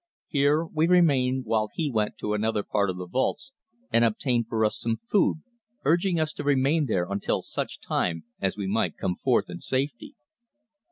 Here we remained while he went to another part of the vaults and obtained for us some food, urging us to remain there until such time as we might come forth in safety.